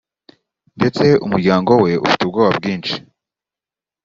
ndetse umuryango we ufite ubwoba bwinshi